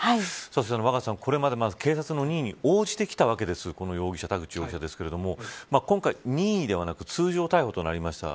若狭さん、これまで警察の任意に応じてきたわけですが今回、任意ではなく通常逮捕となりました。